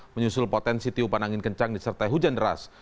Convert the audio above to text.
menyusul potensi tiupan angin kencang disertai hujan deras